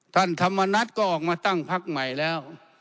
ท่านธรรมนัฏก็ออกมาตั้งพักใหม่แล้ว